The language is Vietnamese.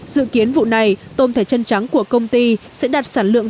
dự kiến vụ này tôm thẻ chân trắng của công ty sẽ đạt sản lượng